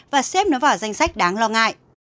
và xếp nó vào danh sách đáng lo ngại